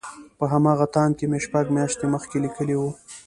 په همغه تاند کې مې شپږ مياشتې مخکې ليکلي وو.